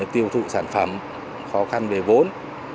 tiêu thụ sản phẩm khó khăn về vốn